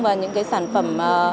vào những cái sản phẩm